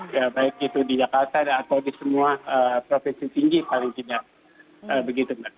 ya baik itu di jakarta atau di semua provinsi tinggi paling tidak begitu mbak